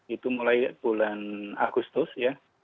itu mulai bulan agustus ya